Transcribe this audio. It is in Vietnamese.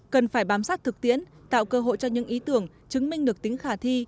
cần phải bám sát thực tiễn tạo cơ hội cho những ý tưởng chứng minh được tính khả thi